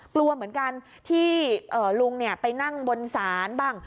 กลัวเหมือนกันที่ลุงไปนั่งบนศาลบ้าง